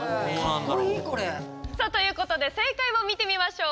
かっこいいこれ。ということで正解を見てみましょう。